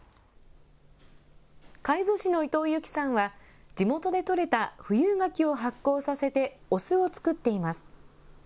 海津市の伊藤由紀さんは、地元で取れた富有柿を発酵させて、お酢を作っています。